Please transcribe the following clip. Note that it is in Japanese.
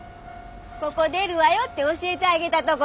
ここ出るわよって教えてあげたとこなの。